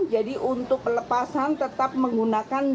jadi untuk pelepasan tetap menggunakan